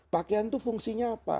pakaian itu fungsinya apa